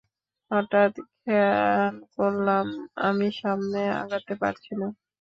হঠাৎ খেয়া করলাম আমি সামনে আগাতে পারছি না।